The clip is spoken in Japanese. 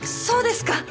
そうですか。